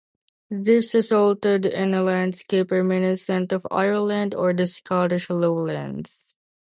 This resulted in a landscape reminiscent of Ireland or the Scottish lowlands.